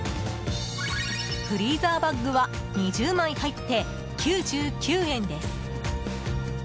フリーザーバッグは２０枚入って９９円です。